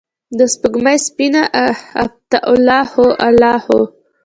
دسپوږمۍ سپینه عفته الله هو، الله هو